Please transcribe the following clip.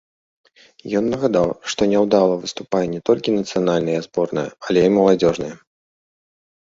Ён нагадаў, што няўдала выступае не толькі нацыянальная зборная, але і маладзёжныя.